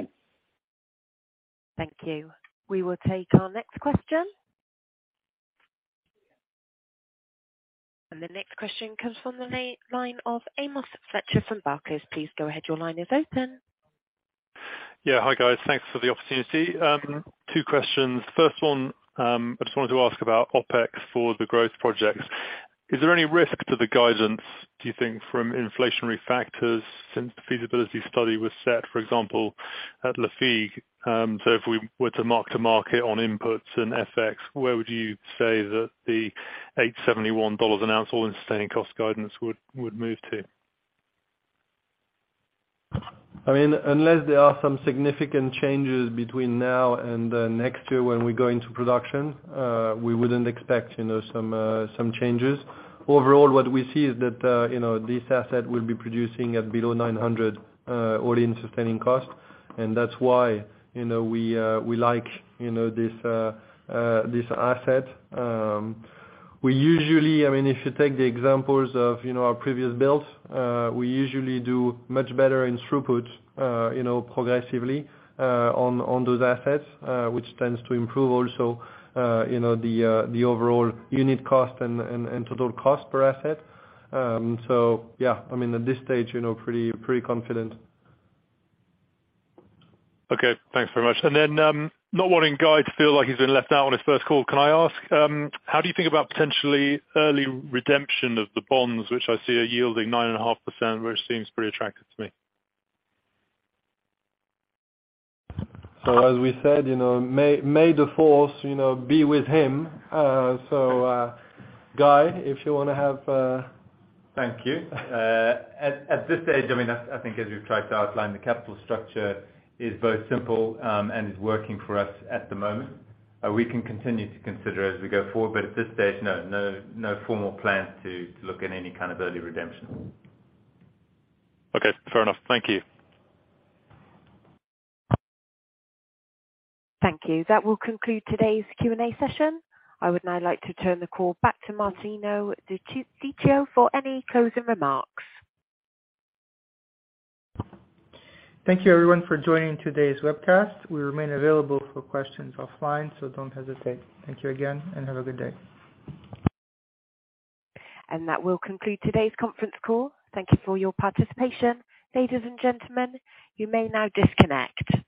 Thank you. We will take our next question. The next question comes from the line of Amos Fletcher from Barclays. Please go ahead. Your line is open. Hi, guys. Thanks for the opportunity. Two questions. First one. I just wanted to ask about OpEx for the growth projects. Is there any risk to the guidance, do you think from inflationary factors since the feasibility study was set, for example, at Lafigué? If we were to mark-to-market on inputs and FX, where would you say that the $871 an ounce all-in sustaining cost guidance would move to? I mean, unless there are some significant changes between now and then next year when we go into production, we wouldn't expect, you know, some changes. Overall, what we see is that, you know, this asset will be producing at below $900 all-in sustaining cost. That's why, you know, we like, you know, this asset. We usually... I mean, if you take the examples of, you know, our previous builds, we usually do much better in throughput, you know, progressively on those assets, which tends to improve also, you know, the overall unit cost and total cost per asset. Yeah, I mean, at this stage, you know, pretty confident. Okay. Thanks very much. Then, not wanting Guy to feel like he's been left out on his first call, can I ask, how do you think about potentially early redemption of the bonds, which I see are yielding 9.5%, which seems pretty attractive to me? As we said, you know, may the force, you know, be with him. Guy, if you wanna have. Thank you. At this stage, I mean, I think as we've tried to outline, the capital structure is both simple, and is working for us at the moment. We can continue to consider as we go forward, at this stage, no formal plans to look at any kind of early redemption. Okay, fair enough. Thank you. Thank you. That will conclude today's Q&A session. I would now like to turn the call back to Martino De Ciccio for any closing remarks. Thank you everyone for joining today's webcast. We remain available for questions offline, so don't hesitate. Thank you again, and have a good day. That will conclude today's conference call. Thank you for your participation. Ladies and gentlemen, you may now disconnect.